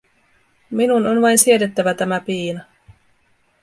Minun on vain siedettävä tämä piina.